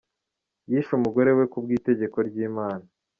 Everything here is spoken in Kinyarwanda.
Yishe umugore we ku bw’itegeko ry’Imana